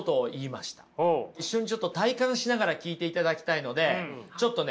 一緒にちょっと体感しながら聞いていただきたいのでちょっとね